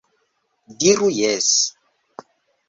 Diru jes!